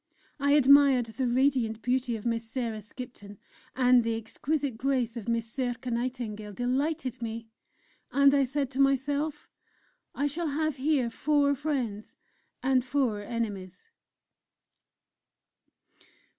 I admired the radiant beauty of Miss Sarah Skipton, and the exquisite grace of Miss Circé Nightingale delighted me; and I said to myself: "I shall have here four Friends and four Enemies!"